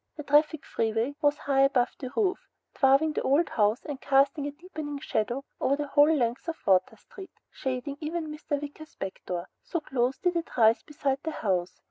The traffic freeway rose high above the roof, dwarfing the old house and casting a deepening shadow over the whole length of Water Street, shading even Mr. Wicker's back door, so close did it rise beside the house.